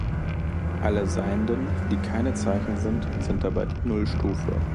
Alle Seienden, die keine Zeichen sind, sind dabei die Null-Stufe.